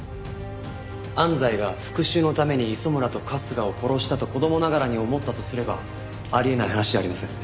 安西が復讐のために磯村と春日を殺したと子供ながらに思ったとすればあり得ない話じゃありません。